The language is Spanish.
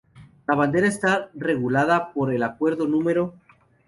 La bandera está regulada por el acuerdo No.